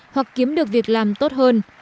hoặc kiếm được việc làm tốt hơn